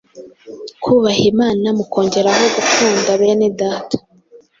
kubaha Imana mukongereho gukunda bene Data,